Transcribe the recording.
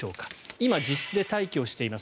今、自室で待機をしています